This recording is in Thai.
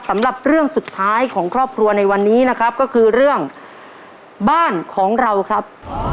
สำหรับเรื่องสุดท้ายของครอบครัวในวันนี้นะครับก็คือเรื่องบ้านของเราครับ